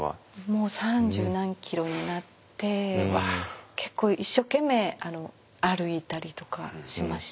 もう三十何キロになって結構一生懸命歩いたりとかしました。